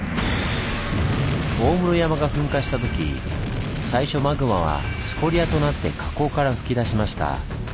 大室山が噴火したとき最初マグマはスコリアとなって火口から噴き出しました。